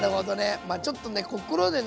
まあちょっとね心でね